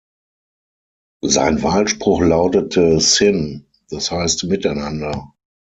Sein Wahlspruch lautete „syn“, das heißt „miteinander“.